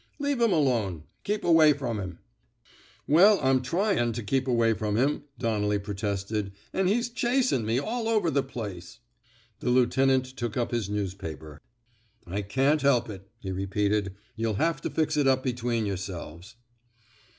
Leave him alone. Keep away from him." Well, I'm tryin' to keep away from him," Donnelly protested, an' he's chasin' me all over the place." The lieutenant took up his newspaper. I can't help it," he repeated. You'll have to fix it up between yourselves."